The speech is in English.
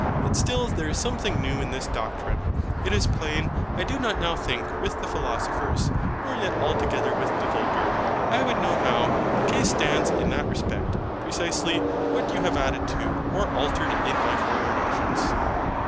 Yet still there is something new in this doctrine. It is plain, I do not now think with the Philosophers; nor yet altogether with the vulgar. I would know how the case stands in that respect; precisely, what you have added to, or altered in my former notions.